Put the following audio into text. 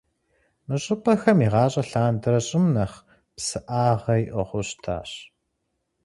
Мы щӏыпӏэхэм, игъащӏэ лъандэрэ, щӏым нэхъ псыӏагъэ иӏыгъыу щытащ.